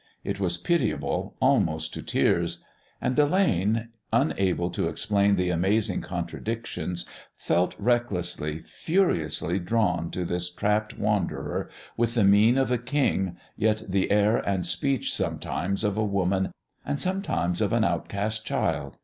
It was pitiable almost to tears. And Delane, unable to explain the amazing contradictions, felt recklessly, furiously drawn to this trapped wanderer with the mien of a king yet the air and speech sometimes of a woman and sometimes of an outcast child.